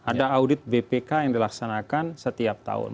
ada audit bpk yang dilaksanakan setiap tahun